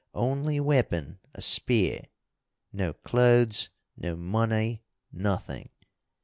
Only weapon, a spear. No clothes, no money. Nothing.